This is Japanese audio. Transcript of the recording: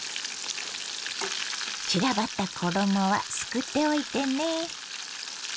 散らばった衣はすくっておいてね。